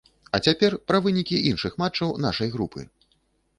А цяпер пра вынікі іншых матчаў нашай групы.